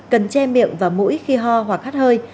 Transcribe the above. cần che miệng và mũi khi ho hoặc hát hơi